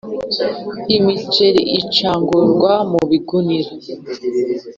Imiceri icagurwa mu bigunira